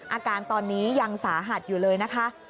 อาการตอนนี้ยังสาหัสอยู่เลยนะคะ